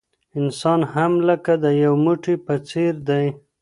انسان هم لکه د یو بوټي په څېر دی.